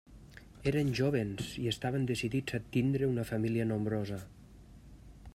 Eren jóvens i estaven decidits a tindre una família nombrosa.